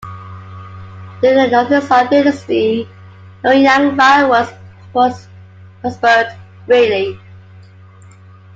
During the Northern Song Dynasty, Liuyang fireworks prospered greatly.